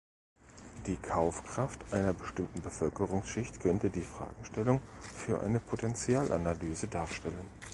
Die Kaufkraft einer bestimmten Bevölkerungsschicht könnte die Fragestellung für eine Potenzialanalyse darstellen.